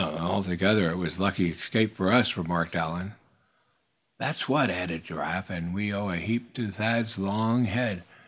"Altogether, it was a lucky escape for us," remarked Allan. "That's what," added Giraffe. "And we owe a heap to Thad's long head.